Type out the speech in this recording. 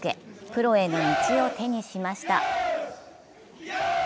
プロへの道を手にしました。